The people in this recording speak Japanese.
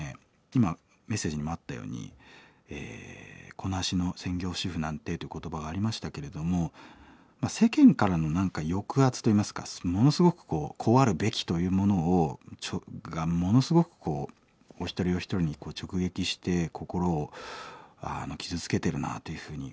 今メッセージにもあったように「子なしの専業主婦なんて」という言葉がありましたけれども世間からの何か抑圧といいますかものすごくこう「こうあるべき」というものがものすごくこうお一人お一人に直撃して心を傷つけてるなというふうに感じますよね。